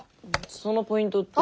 そのポイントって。